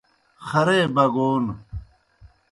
خرے بگون